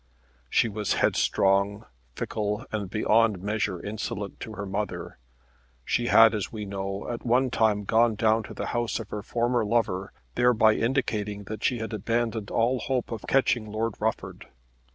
She was headstrong, fickle, and beyond measure insolent to her mother. She had, as we know, at one time gone down to the house of her former lover, thereby indicating that she had abandoned all hope of catching Lord Rufford.